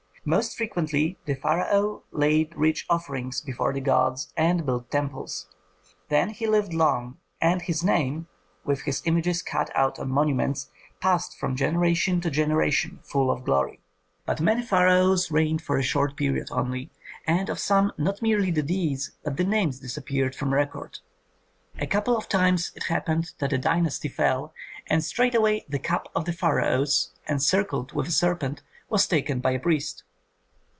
Most frequently the pharaoh laid rich offerings before the gods and built temples. Then he lived long, and his name, with his images cut out on monuments, passed from generation to generation, full of glory. But many pharaohs reigned for a short period only, and of some not merely the deeds, but the names disappeared from record. A couple of times it happened that a dynasty fell, and straightway the cap of the pharaohs, encircled with a serpent, was taken by a priest.